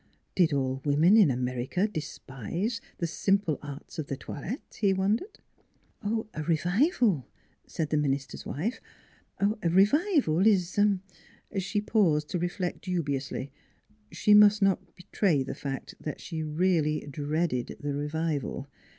Did all women in America despise the simple arts of the toilet, he wondered. 2o6 NEIGHBORS " A revival," said the minister's wife, " a re vival is " She paused to reflect dubiously: she must not betray the fact that she really dreaded the re vival.